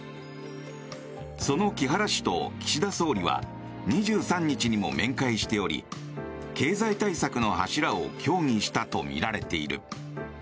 その木原氏と岸田総理は２３日にも面会しており経済対策の柱を協議したとみられている。